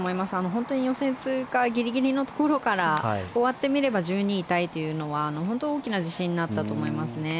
本当に予選通過ギリギリのところから終わってみれば１２位タイというのは本当に大きな自信になったと思いますね。